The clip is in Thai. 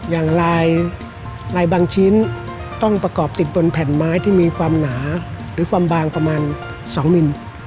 อย่างลายลายบางชิ้นต้องประกอบติดบนแผ่นไม้ที่มีความหนาหรือความบางประมาณ๒มิล